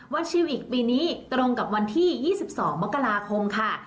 ชิลอีกปีนี้ตรงกับวันที่๒๒มกราคมค่ะ